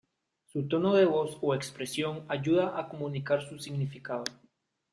Su tono de voz o expresión ayuda a comunicar su significado.